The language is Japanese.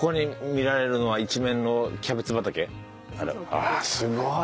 あすごい。